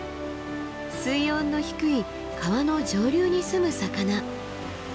水温の低い川の上流に住む魚。